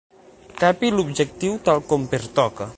Tapi l'objectiu tal com pertoca.